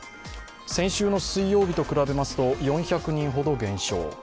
先週の水曜日と比べますと４００人ほど減少。